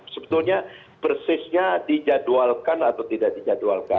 sebetulnya persisnya dijadwalkan atau tidak dijadwalkan